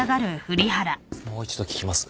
もう一度聞きます。